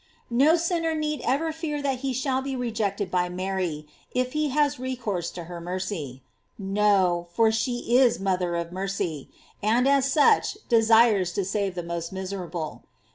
* No sinner need ever fear that he shall be re jected by Mary, if he has recourse to her mercy. No, for she is mother of mercy; and as such, desires to save the most miserable.